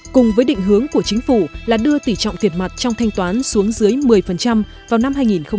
cùng với định hướng của chính phủ là đưa tỷ trọng tiền mặt trong thanh toán xuống dưới một mươi vào năm hai nghìn hai mươi